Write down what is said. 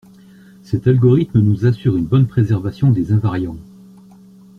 Cet algorithme nous assure une bonne préservation des invariants